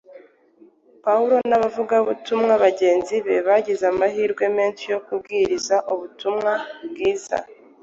Pawulo n’abavugabutumwa bagenzi be bagize amahirwe menshi yo kubwiriza ubutumwa bwiza.